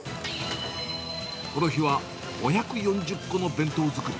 この日は５４０個の弁当作り。